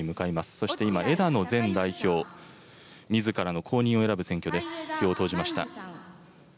そして今、枝野前代表、みずからの後任を選ぶ選挙です。